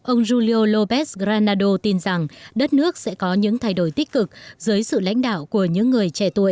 ông julio lópez granado tin rằng đất nước sẽ có những thay đổi tích cực dưới sự lãnh đạo của những người trẻ tuổi